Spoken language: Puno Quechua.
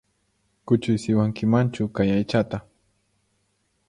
Kuchuysiwankimanchu kay aychata?